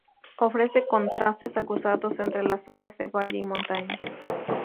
Ofrece contrastes acusados entre las zonas de valle y montaña.